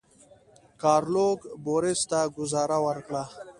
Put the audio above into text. ګارلوک بوریس ته ګوزاره ورکړه.